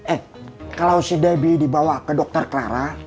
eh kalau si debbie dibawa ke dokter clara